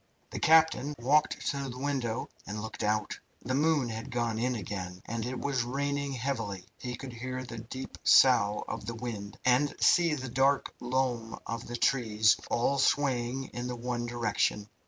The captain walked to the window and looked out. The moon had gone in again, and it was raining heavily. He could hear the deep sough of the wind, and see the dark loom of the trees, all swaying in the one direction.